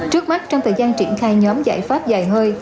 trước mắt trong thời gian triển khai nhóm giải pháp dài hơi